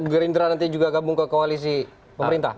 gerindra nanti juga gabung ke koalisi pemerintah